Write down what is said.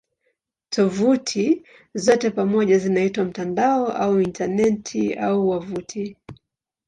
Tovuti zote pamoja zinaitwa "mtandao" au "Intaneti" au "wavuti".